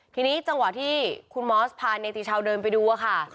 ทีนี้จังหวะที่คุณมอสพาเนติชาวเดินไปดูค่ะ